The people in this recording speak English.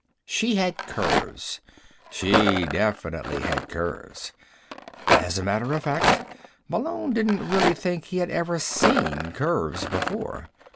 She had curves. She definitely had curves. As a matter of fact, Malone didn't really think he had ever seen curves before.